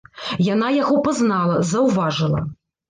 Яна яго пазнала, заўважыла.